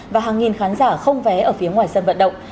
và hàng nghìn khán giả không vé ở phía ngoài sân vận động